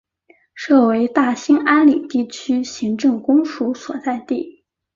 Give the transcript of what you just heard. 设为大兴安岭地区行政公署所在地。